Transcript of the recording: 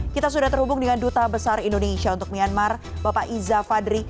kita sudah terhubung dengan duta besar indonesia untuk myanmar bapak iza fadri